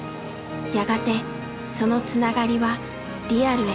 やがてそのつながりはリアルへ。